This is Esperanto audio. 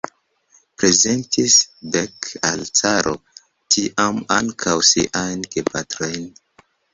Prezentis Beck al la caro tiam ankaŭ siajn gepatrojn.